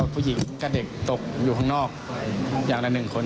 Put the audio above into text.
ผู้หญิงกับเด็กตกอยู่ข้างนอกอย่างละ๑คน